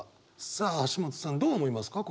さあ橋本さんどう思いますか？